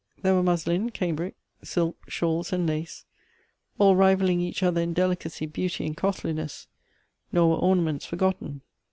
There were mus lin, cambric, silk, shawls and lace, all rivalling each other in delicacy, beauty, and costliness — nor were ornaments forgotten.